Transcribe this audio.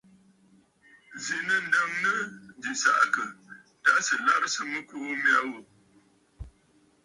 Zǐ nɨ̂ ǹdəŋnə jì sàʼàkə̀ tâ sɨ̀ larɨsə mɨkuu mya ghu.